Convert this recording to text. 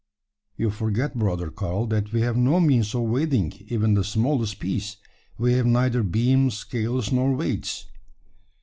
"You forget, brother Karl, that we have no means of weighing, even the smallest piece. We have neither beam, scales, nor weights."